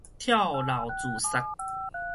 跳樓自殺